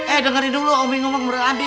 eh dengerin dulu umi ngomong